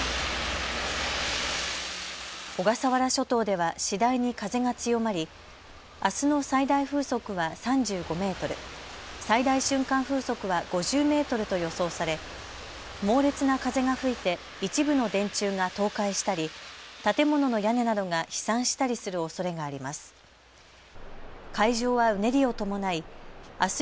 小笠原諸島では次第に風が強まり、あすの最大風速は３５メートル、最大瞬間風速は５０メートルと予想され猛烈な風が吹いて一部の電柱が倒壊したり建物の屋根などが飛散したりするおそれがあります。